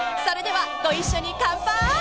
［それではご一緒に乾杯！］